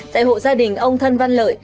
tại hộ gia đình ông thân văn lợi